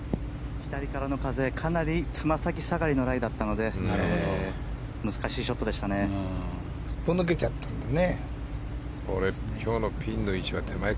左からの風かなりつま先下がりのライだったので難しいショットでしたね。